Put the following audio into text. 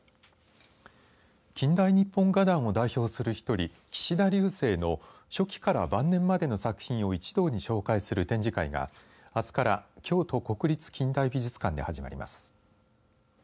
近代日本画壇を代表するひとり岸田劉生の初期から晩年までの作品を一堂に紹介する展示会があすから京都国立近代美術館で始まります。